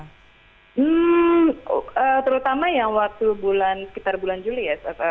hmm terutama yang waktu bulan sekitar bulan juli ya